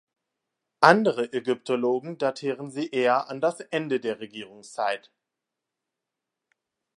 Andere Ägyptologen datieren sie eher an das Ende der Regierungszeit.